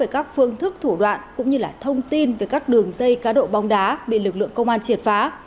các phương thức thủ đoạn cũng như thông tin về các đường dây cá độ bóng đá bị lực lượng công an triệt phá